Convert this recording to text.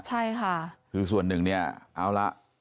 ใช่ค่ะคือส่วนหนึ่งเนี่ยเอาละ